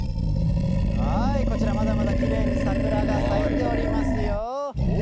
こちら、まだまだきれいに桜が咲いておりますよー。